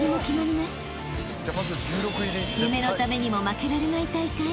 ［夢のためにも負けられない大会］